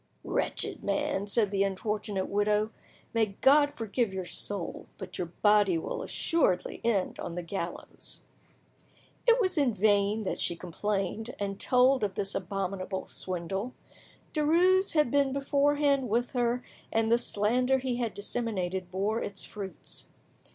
"Wretched man," said the unfortunate widow, "may God forgive your soul; but your body will assuredly end on the gallows!" It was in vain that she complained, and told of this abominable swindle; Derues had been beforehand with her, and the slander he had disseminated bore its fruits.